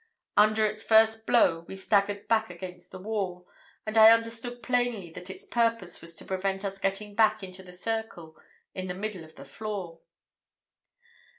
Under its first blow we staggered back against the wall, and I understood plainly that its purpose was to prevent us getting back into the circle in the middle of the floor.